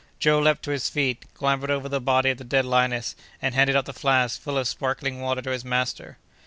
Joe leaped to his feet, clambered over the body of the dead lioness, and handed up the flask full of sparkling water to his master.